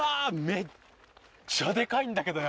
めっちゃデカいんだけど山。